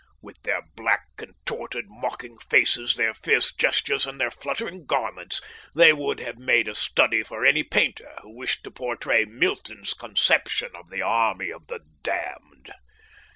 With their black, contorted, mocking faces, their fierce gestures, and their fluttering garments, they would have made a study for any painter who wished to portray Milton's conception of the army of the damned.